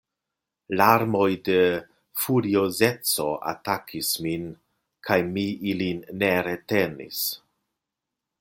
Larmoj de furiozeco atakis min, kaj mi ilin ne retenis.